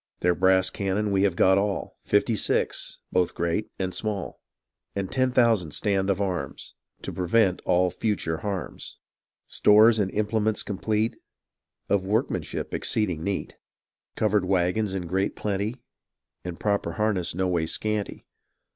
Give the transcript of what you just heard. Their brass cannon we have got all, Fifty six — both great and small : And ten thousand stand of arras To prevent all fixture harms : Stores and implements complete, Of workmanship exceeding neat ; Covered wagons in great plenty. And proper harness no ways scanty.